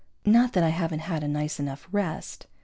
Not that I haven't had a nice enough rest.